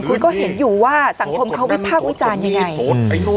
คุณก็เห็นอยู่ว่าสังคมเขาวิพากษ์วิจารณ์ยังไง